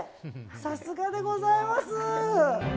さすがでございます。